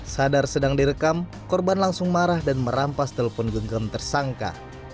sadar sedang direkam korban langsung marah dan merampas telepon genggam tersangka